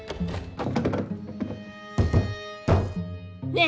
ねえ！